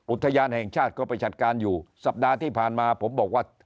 อุทยานแห่งชาติก็ไปจัดการอยู่สัปดาห์ที่ผ่านมาผมบอกว่า